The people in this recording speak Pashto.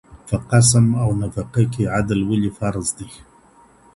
په قسم او نفقه کې عدل ولي فرض دی؟